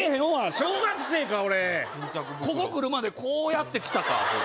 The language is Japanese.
小学生か俺ここ来るまでこうやって来たかアホ